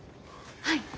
はい。